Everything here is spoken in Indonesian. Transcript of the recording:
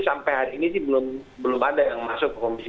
sampai hari ini sih belum ada yang masuk ke komisi tiga